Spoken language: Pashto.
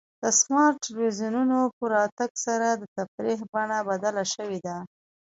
د سمارټ ټلویزیونونو په راتګ سره د تفریح بڼه بدله شوې ده.